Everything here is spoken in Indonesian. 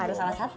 ada salah satu